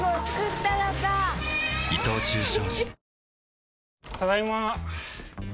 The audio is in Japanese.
ただいま。